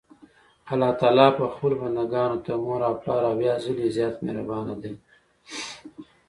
الله تعالی په خپلو بندګانو تر مور او پلار اويا ځلي زيات مهربان دي.